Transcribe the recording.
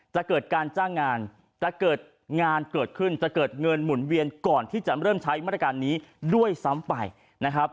จะเกิดการจ้างงานจะเกิดงานเกิดขึ้นจะเกิดเงินหมุนเวียนก่อนที่จะเริ่มใช้มาตรการนี้ด้วยซ้ำไปนะครับ